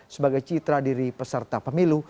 sebagai citra diri peserta pemilu